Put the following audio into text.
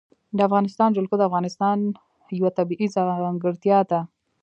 د افغانستان جلکو د افغانستان یوه طبیعي ځانګړتیا ده.